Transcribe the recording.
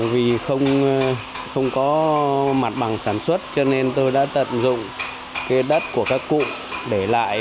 vì không có mặt bằng sản xuất cho nên tôi đã tận dụng đất của các cụm để lại